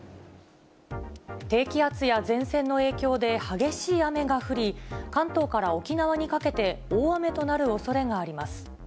低気圧や前線の影響で、激しい雨が降り、関東から沖縄にかけて、大雨となるおそれがあります。